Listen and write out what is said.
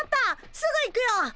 すぐ行くよ！